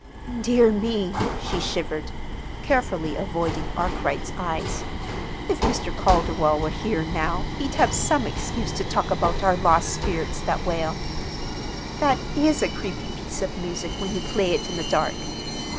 "Dear me!" she shivered, carefully avoiding Arkwright's eyes. "If Mr. Calderwell were here now he'd have some excuse to talk about our lost spirits that wail. That is a creepy piece of music when you play it in the dark!"